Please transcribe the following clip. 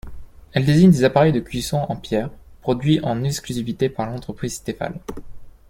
Elles désignent des appareils de cuisson sur pierre, produits en exclusivité par l'entreprise Tefal.